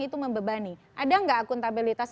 itu membebani ada nggak akuntabilitas